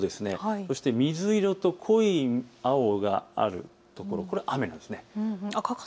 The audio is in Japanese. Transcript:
そして水色と濃い青があるところ、これが雨です。